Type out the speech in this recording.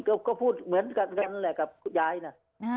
ก็พูดเหมือนกันกับยายนะ